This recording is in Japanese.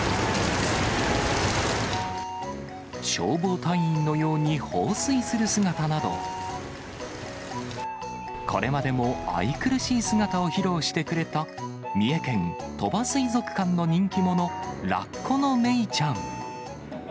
消防隊員のように放水する姿など、これまでも愛くるしい姿を披露してくれた、三重県鳥羽水族館の人気者、ラッコのメイちゃん。